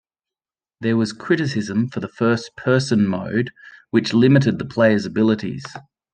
There was criticism for the first person mode, which limited the player's abilities.